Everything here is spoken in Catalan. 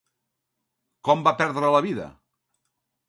Com va perdre la vida?